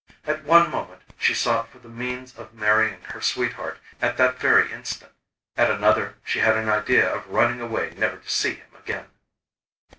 At one moment she sought for the means of marrying her sweetheart at that very instant, at another she had an idea of running away never to see him again.